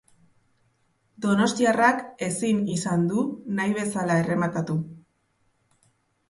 Donostiarrak ezin izan du nahi bezala errematatu.